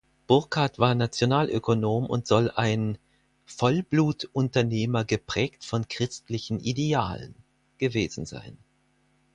Burkard war Nationalökonom und soll ein „Vollblutunternehmer geprägt von christlichen Idealen“ gewesen sein.